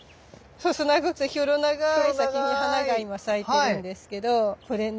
細長くてヒョロ長い先に花が今咲いてるんですけどこれね